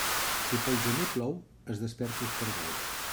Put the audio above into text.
Si pel gener plou, es desperta el caragol.